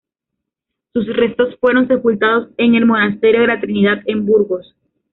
Sus restos fueron sepultados en el monasterio de la Trinidad en Burgos.